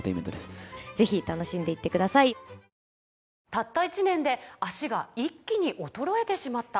「たった１年で脚が一気に衰えてしまった」